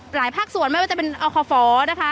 ภาคส่วนไม่ว่าจะเป็นอคฟนะคะ